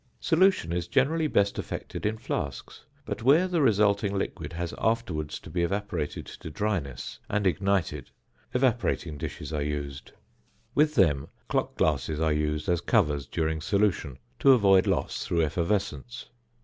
Solution is generally best effected in flasks; but where the resulting liquid has afterwards to be evaporated to dryness and ignited, evaporating dishes (fig. 12) are used. With them clock glasses are used as covers during solution to avoid loss through effervescence.